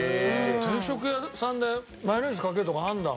定食屋さんでマヨネーズかけるとこあるんだ。